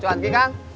cuma satu kali